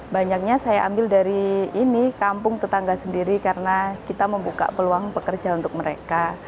banyaknya saya ambil dari ini kampung tetangga sendiri karena kita membuka peluang pekerja untuk mereka